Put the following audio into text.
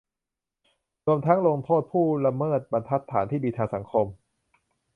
รวมทั้งลงโทษผู้ละเมิดบรรทัดฐานที่ดีทางสังคม